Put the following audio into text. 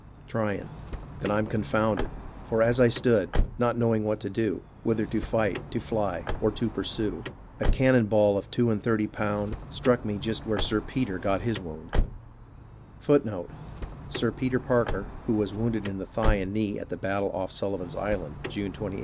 Tryon Then I'm confounded ; For as I stood, not knowing what to do. Whether to fight, to fly, or to pursue, A cannon ball of two and thirty pound Struck me just where Sir Peter ^ got his wound ; Then passing on between my horse's ears — 1 Sir Peter Parker who was wounded in the thigh and knee at the battle off Sullivan's Island, June 28, 1776.